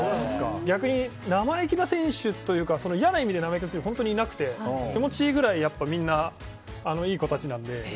逆に、生意気な選手というか嫌な意味で生意気な選手はいなくて気持ちいいくらいみんないい子たちなので。